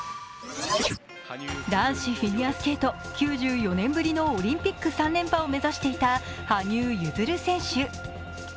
男子フィギュアスケート９４年ぶりのオリンピック３連覇を目指していた羽生結弦選手。